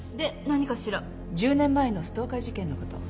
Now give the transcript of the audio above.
１０年前のストーカー事件のこと。